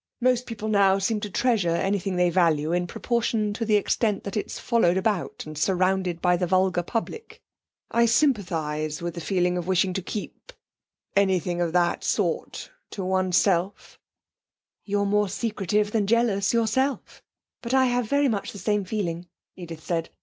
Most people now seem to treasure anything they value in proportion to the extent that it's followed about and surrounded by the vulgar public. I sympathise with that feeling of wishing to keep anything of that sort to oneself.' 'You are more secretive than jealous, yourself. But I have very much the same feeling,' Edith said.